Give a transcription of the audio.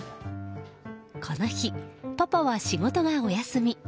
この日、パパは仕事がお休み。